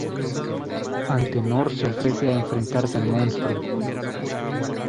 Antenor se ofrece a enfrentarse al monstruo.